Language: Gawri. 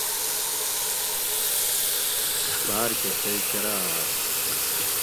باۤر کہ چئی کراۤ اۤر